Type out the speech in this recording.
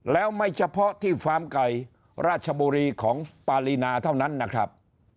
แล้วไม่เฉพาะที่ฟาร์มไก่ราชบุรีของปารีนาเท่านั้นนะครับ